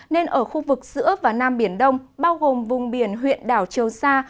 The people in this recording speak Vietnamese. nên ở khu vực giữa và nam biển đông bao gồm vùng biển huyện đảo trường sa